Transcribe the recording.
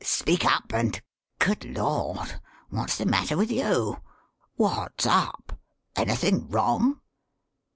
Speak up, and Good Lord! what's the matter with you? What's up? Anything wrong?"